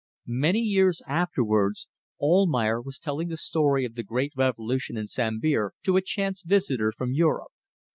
...Many years afterwards Almayer was telling the story of the great revolution in Sambir to a chance visitor from Europe.